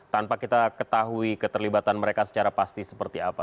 tanpa kita ketahui keterlibatan mereka secara pasti seperti apa